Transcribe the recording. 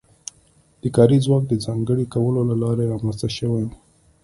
د کاري ځواک د ځانګړي کولو له لارې رامنځته شوې وه.